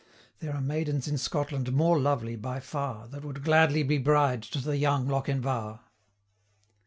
There are maidens in Scotland more lovely by far, 335 That would gladly be bride to the young Lochinvar.'